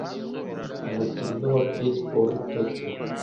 umukino wa baseball Tokiyo